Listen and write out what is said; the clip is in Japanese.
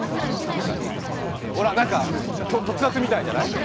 ほら、なんか特撮みたいじゃない？